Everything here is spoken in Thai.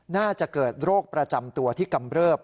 น่าจะเกิดโรคประจำตัวที่กำเริบ